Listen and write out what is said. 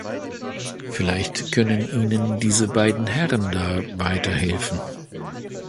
Vielleicht können Ihnen diese beiden Herren da weiterhelfen.